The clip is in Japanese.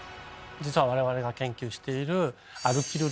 実は我々が研究している。